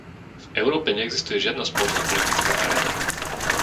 V Európe neexistuje žiadna spoločná politická aréna.